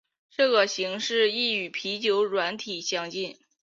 这形式亦与啤酒软体相近。